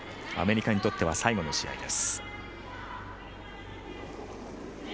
アメリカにとっては最後の試合。